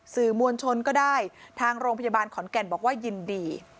สื่อมวลชนก็ได้ทางโรงพยาบาลขอนแก่นบอกว่ายินดี